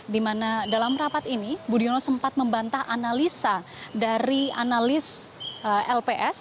di mana dalam rapat ini budiono sempat membantah analisa dari analis lps